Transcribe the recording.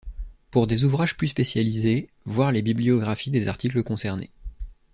Pour des ouvrages plus spécialisés, voir les bibliographies des articles concernés.